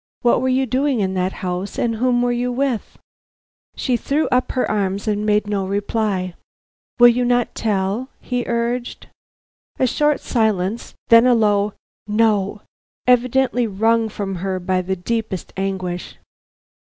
What were you doing in that house, and whom were you with?" She threw up her arms, but made no reply. "Will you not tell?" he urged. A short silence, then a low "No," evidently wrung from her by the deepest anguish.